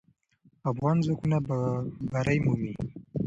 افغان ځواکونه به بری مومي.